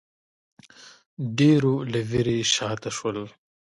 ډېرو له وېرې شا ته شول